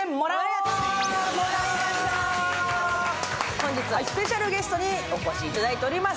本日はスペシャルゲストにお越しいただいております。